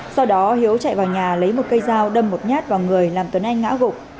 sau đó hiếu chạy vào nhà lấy một cây dao đâm một nhát vào người làm tuấn anh ngã gục